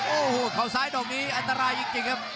โอ้โหเขาซ้ายดอกนี้อันตรายจริงครับ